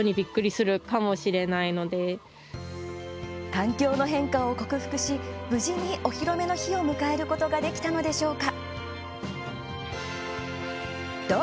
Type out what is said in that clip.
環境の変化を克服し無事にお披露目の日を迎えることができたのでしょうか。